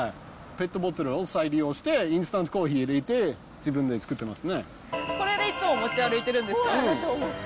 ペットボトルを再利用して、インスタントコーヒー入れて、これでいつも持ち歩いてるんうん。